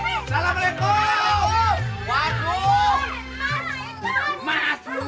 cepat cepat gua yang kutidangin